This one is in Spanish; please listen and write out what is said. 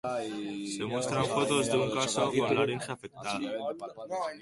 Se muestran fotos de un caso con laringe afectada